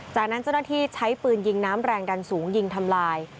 จากนั้นเจ้าหน้าที่ใช้ปืนยิงน้ำแรงดันสูงยิงทำลาย